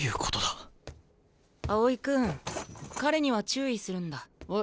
青井君彼には注意するんだ。え？